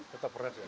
tetap beras ya